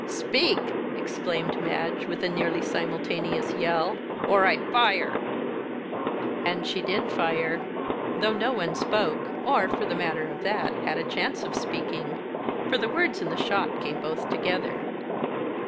"Speak!" exclaimed Madge, with a nearly simultaneous yell, "or I fire!" And she did fire though no one spoke; or, for the matter of that, had a chance of speaking; for the words and the shot came both together.